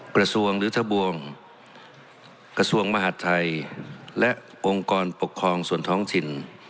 กระทรวงหรือทะบวงกระทรวงมหาดไทยและองค์กรปกครองส่วนท้องถิ่น